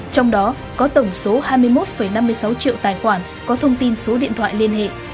trong đó có tổng số hai mươi một năm mươi sáu triệu tài khoản có thông tin số điện thoại liên hệ